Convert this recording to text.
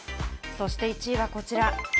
そして１位はこちら。